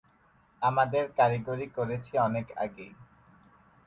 আমাদের তরুণদের প্রচেষ্টায় এসব কারিগরি বাধা আমরা অতিক্রম করেছি অনেক আগেই।